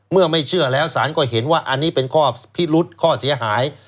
เมื่อไม่เชื่อแล้วสารก็เห็นว่าอันนี้เป็นข้อพิรุษข้อเสียหาย